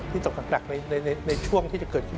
ตกหนักในช่วงที่จะเกิดขึ้น